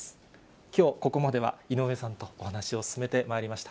きょう、ここまでは井上さんとお話を進めてまいりました。